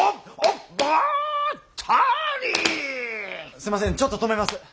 すいませんちょっと止めます。